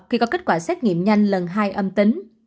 khi có kết quả xét nghiệm nhanh lần hai âm tính